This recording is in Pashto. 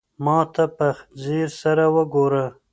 ما ته په ځير سره وگوره.